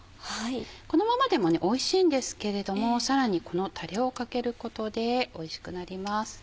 このままでもおいしいんですけれどもさらにこのたれをかけることでおいしくなります。